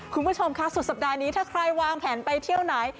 คุณผู้ชมค่ะสุดสัปดาห์นี้ถ้าใครวางแผนไปเที่ยวไหน